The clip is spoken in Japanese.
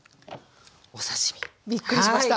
お刺身。びっくりしました。